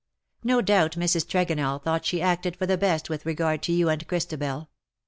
No doubt Mrs. Tregonell thought she acted for the best with regard to you and Christabel.